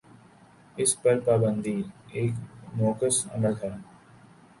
اس پر پابندی ایک معکوس عمل ہے۔